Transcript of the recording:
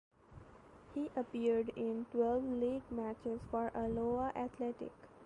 He appeared in twelve league matches for Alloa Athletic.